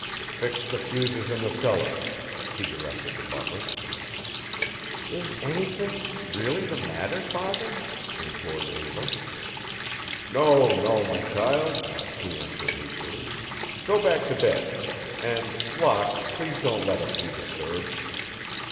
"Fix the fuses in the cellar," he directed the butler. "Is anything really the matter father?" implored Eva. "No, no, my child," he answered, hastily. "Go back to bed. And, Locke, please don't let us be disturbed."